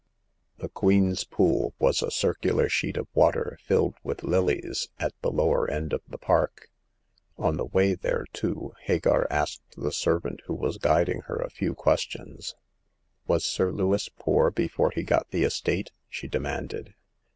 The Queen's Pool was a circular sheet of water filled with lilies, at the lower end of the park. 2i6 Hagar of the Pawn Shop. On the way thereto Hagar asked the servant who was guiding her a few questions. Was Sir Lewis poor before he got the estate ?" she demanded.